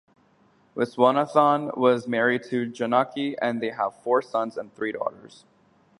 Viswanathan was married to Janaki and they have four sons and three daughters.